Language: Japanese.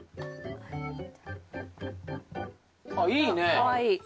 あっいいね。